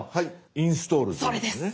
「インストール」でいいんですね？